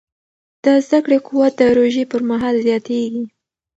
د زده کړې قوت د روژې پر مهال زیاتېږي.